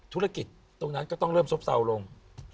ธุรกิจตรงนั้นก็ต้องเริ่มซบเศร้าลง